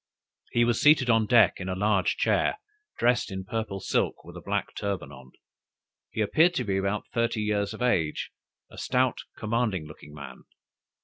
He was seated on deck, in a large chair, dressed in purple silk, with a black turban on. He appeared to be about thirty years of age, a stout commanding looking man.